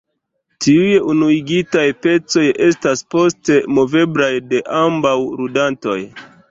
Tiuj unuigitaj pecoj estas poste moveblaj de ambaŭ ludantoj.